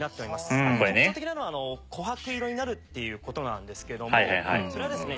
特徴的なのは琥珀色になるっていう事なんですけどもそれはですね